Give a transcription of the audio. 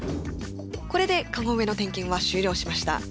これでカゴ上の点検は終了しました。